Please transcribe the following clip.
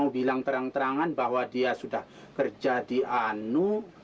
bilang terang terangan bahwa dia sudah kerja di anu